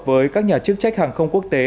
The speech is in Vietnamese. với các nhà chức trách hàng không quốc tế